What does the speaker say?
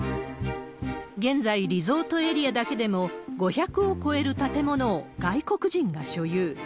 現在、リゾートエリアだけでも５００を超える建物を外国人が所有。